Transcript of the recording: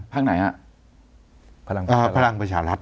พักไหนฮะพลังประชาลัพธ์